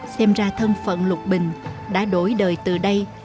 xem ra thân phận lục bình đã đổi đời từ đây